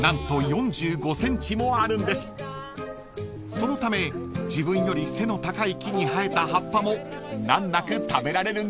［そのため自分より背の高い木に生えた葉っぱも難なく食べられるんだそうです］